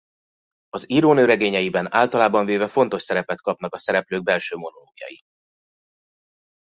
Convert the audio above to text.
Az írónő regényeiben általában véve fontos szerepet kapnak a szereplők belső monológjai.